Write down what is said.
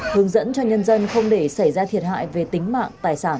hướng dẫn cho nhân dân không để xảy ra thiệt hại về tính mạng tài sản